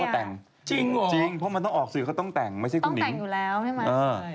เจนจริงเหรอจริงเพราะต้องออกสินเขาต้องแต่งไม่ใช่คุณหนิงต้องแต่งอยู่แล้วใช่ไหม